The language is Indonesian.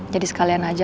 jadi sekalian aja